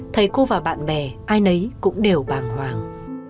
thầy cô và bạn bè ai nấy cũng đều bàng hoàng